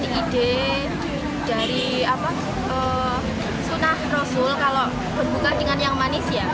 jadi dari sunah rasul kalau berbuka dengan yang manis ya